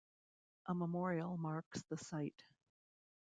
A memorial marks the site.